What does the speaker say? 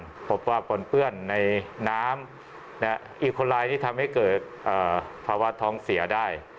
หรือบอกว่าปนเปื้อนในน้ำเนี้ยอีโคลายที่ทำให้เกิดเอ่อภาวะท้องเสียได้